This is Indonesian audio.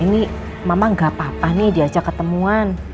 ini mama gak apa apa nih diajak ketemuan